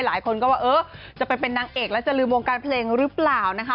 หลายคนก็ว่าเออจะไปเป็นนางเอกแล้วจะลืมวงการเพลงหรือเปล่านะคะ